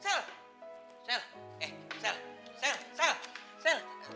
sel eh sel sel sel sel